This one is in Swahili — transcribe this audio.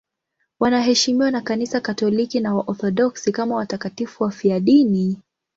Wanaheshimiwa na Kanisa Katoliki na Waorthodoksi kama watakatifu wafiadini.